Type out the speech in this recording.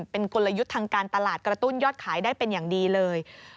เป็นกลยุทธ์ทางการตลาดกระตุ้นยอดขายได้เป็นอย่างดีเลย